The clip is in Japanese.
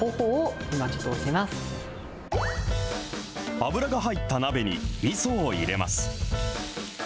油が入った鍋にみそを入れます。